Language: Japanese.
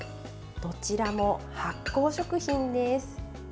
どちらも発酵食品です。